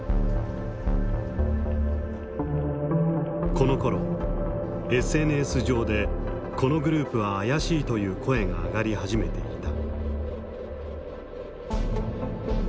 このころＳＮＳ上でこのグループは怪しいという声が上がり始めていた。